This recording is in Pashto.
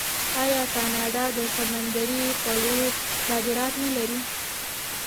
آیا کاناډا د سمندري خوړو صادرات نلري؟